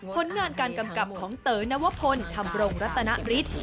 ผลงานการกำกับของเต๋อนวพลทำโรงรัตนาริต